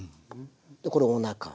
でこれおなか。